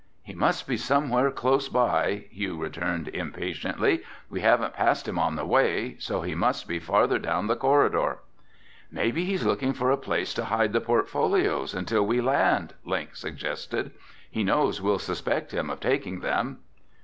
"He must be somewhere close by," Hugh returned impatiently. "We haven't passed him on the way, so he must be farther down the corridor." "Maybe he's looking for a place to hide the portfolios until we land," Link suggested. "He knows we'll suspect him of taking them."